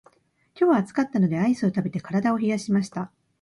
今日は暑かったのでアイスを食べて体を冷やしました。